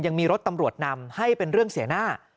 ยังมีรถตำรวจนำให้เป็นเรื่องเสียหน้า